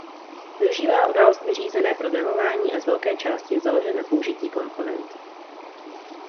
Využívá událostmi řízené programování a z velké části je založen na použití komponent.